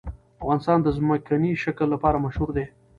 افغانستان د ځمکنی شکل لپاره مشهور دی.